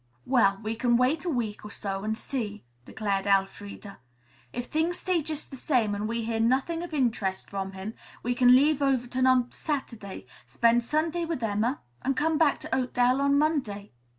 "Well, we can wait a week or so and see," declared Elfreda. "If things stay just the same and we hear nothing of interest from him, we can leave Overton on Saturday, spend Sunday with Emma and come back to Oakdale on Monday."